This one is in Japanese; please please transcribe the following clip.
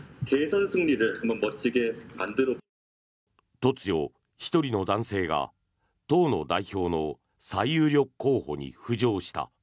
突如、１人の男性が党の代表の最有力候補に浮上した。